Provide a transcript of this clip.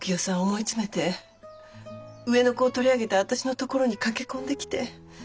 思い詰めて上の子を取り上げた私のところに駆け込んできて。